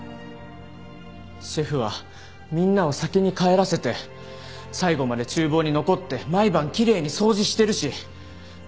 シェフはみんなを先に帰らせて最後まで厨房に残って毎晩奇麗に掃除してるし。